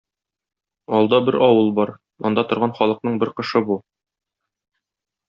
Алда бер авыл бар, анда торган халыкның бер кошы бу.